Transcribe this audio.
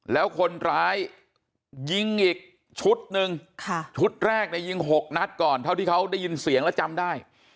แล้วคนร้ายยิงอีกชุดหนึ่งชุดแรกเนี่ยยิง๖นัดก่อนเท่าที่เขาได้ยินเสียงแล้วจำได้